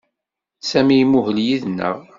Sami imuhel yid-neɣ.